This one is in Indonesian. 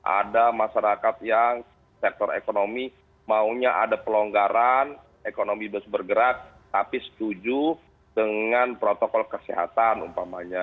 ada masyarakat yang sektor ekonomi maunya ada pelonggaran ekonomi harus bergerak tapi setuju dengan protokol kesehatan umpamanya